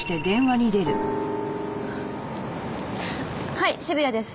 はい渋谷です。